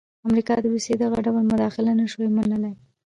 امریکا د روسیې دغه ډول مداخله نه شوای منلای.